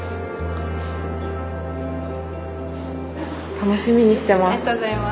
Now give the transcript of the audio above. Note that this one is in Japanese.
楽しみにしてます。